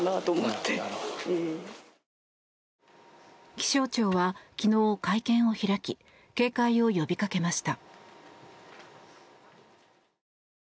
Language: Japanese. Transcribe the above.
気象庁は昨日、会見を開き警戒を呼びかけました。